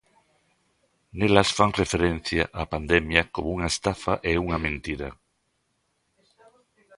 Nelas fan referencia á pandemia como unha estafa e unha mentira.